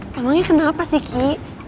emangnya kenapa sih ki